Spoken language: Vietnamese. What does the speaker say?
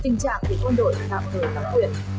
nhà thủy quân đội đạm thời tác quyền